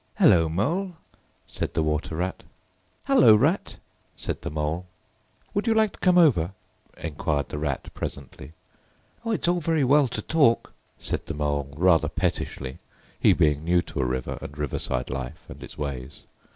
"Hullo, Mole!" said the Water Rat. "Hullo, Rat!" said the Mole. "Would you like to come over?" enquired the Rat presently. "Oh, its all very well to talk," said the Mole, rather pettishly, he being new to a river and riverside life and its ways.